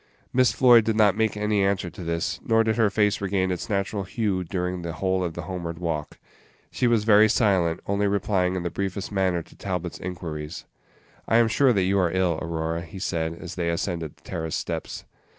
Miss Floyd did not make any answer to this, nor did her face regain its natural hue during the whole of the homeward walk. She was very silent, only replying in the briefest manner to Talbot's inquiries. "I am sure that you are ill, Aurora," he said, as they ascended the terrace steps.